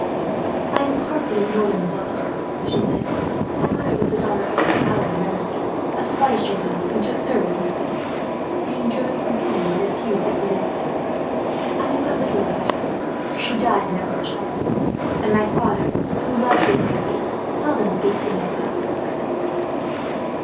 "I am partly of northern blood," she said. "My mother was the daughter of Sir Allan Ramsay, a Scottish gentleman who took service in France, being driven from home by the feuds that prevailed there. I knew but little about her, for she died when I was a child; and my father, who loved her greatly, seldom speaks to me of her."